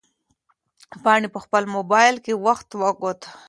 پاڼې په خپل موبایل کې وخت وکوت.